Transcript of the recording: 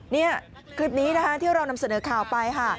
นี่คลิปนี้นะคะที่เรานำเสนอข่าวไปค่ะ